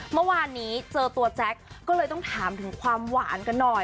เมื่อวานนี้เจอตัวแจ๊คก็เลยต้องถามถึงความหวานกันหน่อย